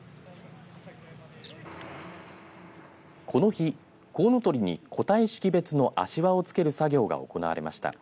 この日、こうのとりに個体識別の足環を付ける作業が行われました。